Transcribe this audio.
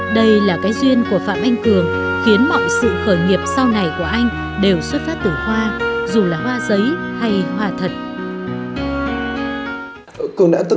đây là cái duyên của phạm anh cường khiến mọi sự khởi nghiệp sau này của anh đều xuất phát từ hoa dù là hoa giấy hay hoa thật